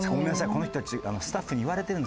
この人たちスタッフに言われてるんです」。